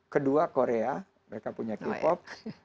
kedua korea mereka punya k pop